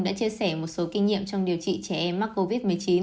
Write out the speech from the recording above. đã chia sẻ một số kinh nghiệm trong điều trị trẻ em mắc covid một mươi chín